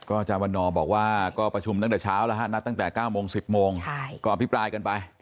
ก็จวบอกว่าก็ประชุมตั้งแต่เช้าแล้วนะตั้งแต่๙โมง๑๐โมงก่อนพี่ปลายกันไป